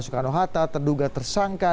soekarno hatta terduga tersangka